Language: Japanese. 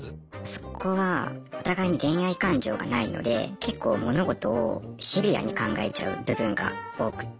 そこはお互いに恋愛感情がないので結構物事をシビアに考えちゃう部分が多くて。